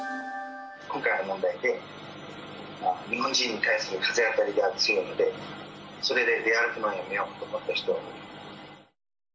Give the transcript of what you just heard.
今回の問題で、日本人に対する風当たりが強いので、それで出歩くのはやめようと思った人はいると思います。